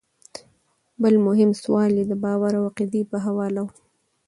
بل مهم سوال ئې د باور او عقيدې پۀ حواله وۀ